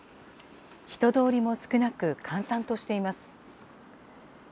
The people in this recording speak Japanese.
人通りも少なく、閑散としています。